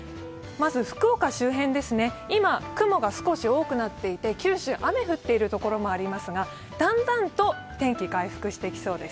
まず福岡周辺です、今、雲が少し多くなっていて、九州、雨が降っているところもありますが、だんだんと天気、回復してきそうです。